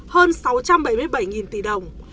hơn sáu trăm bảy mươi bảy tỷ đồng